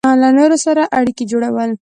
له نورو سره اړیکې جوړول